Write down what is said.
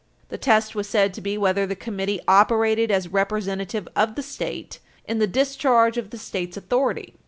The test was said to be whether the Committee operated as representative of the State in the discharge of the State's authority.